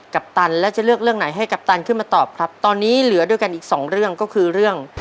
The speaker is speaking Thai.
ปตันแล้วจะเลือกเรื่องไหนให้กัปตันขึ้นมาตอบครับตอนนี้เหลือด้วยกันอีกสองเรื่องก็คือเรื่อง